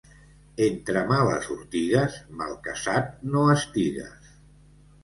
Entre males ortigues, malcasat, no estigues.